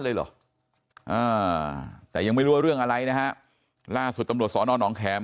เลยเหรออ่าแต่ยังไม่รู้ว่าเรื่องอะไรนะฮะล่าสุดตำรวจสอนอนองแขม